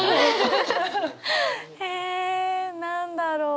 え何だろう。